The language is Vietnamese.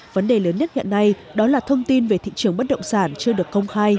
vấn đề lớn nhất hiện nay đó là thông tin về thị trường bất động sản chưa được công khai